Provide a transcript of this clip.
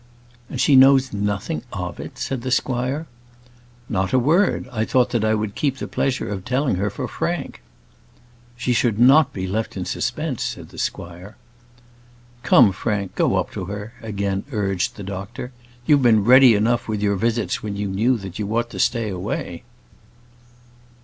"And she knows nothing of it?" said the squire. "Not a word. I thought that I would keep the pleasure of telling her for Frank." "She should not be left in suspense," said the squire. "Come, Frank, go up to her," again urged the doctor. "You've been ready enough with your visits when you knew that you ought to stay away."